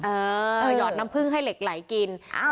เออเออหยอดน้ำผึ้งให้เหล็กไหลกินอ้าว